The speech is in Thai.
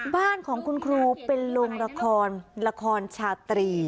บ้านของคุณครูเป็นโรงละครละครชาตรี